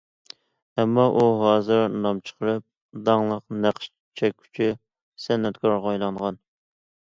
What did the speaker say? ئەمما ئۇ ھازىر نام چىقىرىپ، داڭلىق نەقىش چەككۈچى سەنئەتكارغا ئايلانغان.